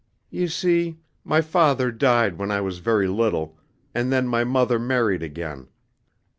"You see, my father died when I was very little, and then my mother married again.